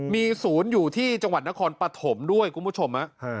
มีศูนย์อยู่ที่จังหวัดนครปฐมด้วยคุณผู้ชม